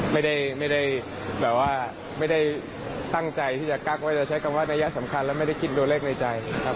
ไม่ได้แบบว่าไม่ได้ตั้งใจที่จะกักว่าจะใช้คำว่านัยสำคัญและไม่ได้คิดตัวเลขในใจครับ